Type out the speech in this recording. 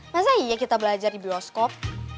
masa iya kita belajar di bioskop